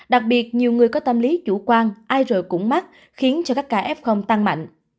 đặc biệt nhiều người có tâm lý chủ quan ai rồi cũng mắc khiến cho các ca f tăng mạnh